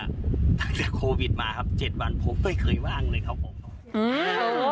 ตั้งแต่โควิดมาครับเจ็ดวันผมไม่เคยว่างเลยครับผมอืม